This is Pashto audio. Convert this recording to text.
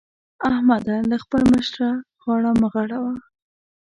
احمده! له خپل مشره غاړه مه غړوه.